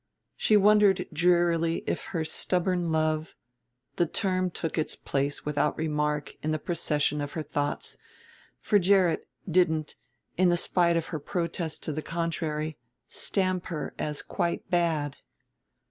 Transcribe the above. She wondered drearily if her stubborn love the term took its place without remark in the procession of her thoughts for Gerrit didn't, in spite of her protest to the contrary, stamp her as quite bad.